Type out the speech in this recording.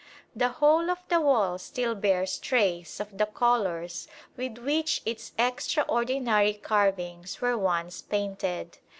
The whole of the wall still bears trace of the colours with which its extraordinary carvings were once painted.